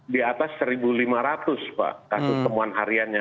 di atas satu lima ratus pak kasus temuan hariannya